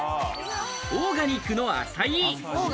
オーガニックのアサイー。